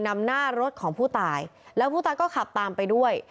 นำหน้ารถของผู้ตายแล้วผู้ตายก็ขับตามไปด้วย